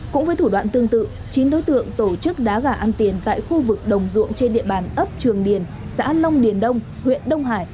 cũng với thủ đoạn tương tự chín đối tượng tổ chức đá gà ăn tiền tại khu vực đồng ruộng trên địa bàn ấp trường điền xã long điền đông huyện đông hải